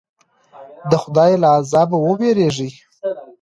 د خدای له عذابه وویریږئ.